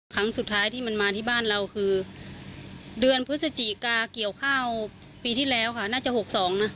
ครั้งสุดท้ายที่มันมาที่บ้านเราคือเดือนพฤศจิกาเกี่ยวข้าวปีที่แล้วค่ะน่าจะ๖๒นะ